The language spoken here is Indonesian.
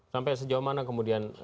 sampai sejauh mana kemudian